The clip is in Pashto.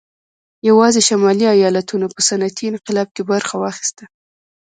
یوازې شمالي ایالتونو په صنعتي انقلاب کې برخه واخیسته